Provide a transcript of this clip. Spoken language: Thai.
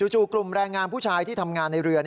จู่กลุ่มแรงงานผู้ชายที่ทำงานในเรือ